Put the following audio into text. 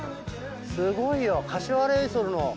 すごいよ柏レイソルの。